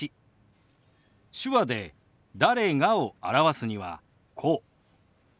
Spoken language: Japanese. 手話で「誰が」を表すにはこう。